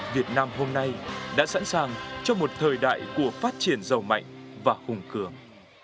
việt nam hôm nay đã sẵn sàng cho một thời đại của phát triển giàu mạnh và hùng cường